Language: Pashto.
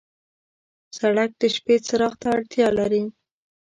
سړک د شپې څراغ ته اړتیا لري.